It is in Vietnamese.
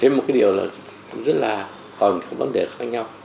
thế một cái điều là rất là còn có vấn đề khác nhau